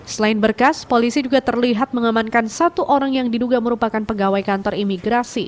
selain berkas polisi juga terlihat mengamankan satu orang yang diduga merupakan pegawai kantor imigrasi